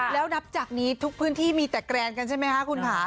แล้วนับจากนี้ทุกพื้นที่มีแต่แกรนกันใช่ไหมคะคุณค่ะ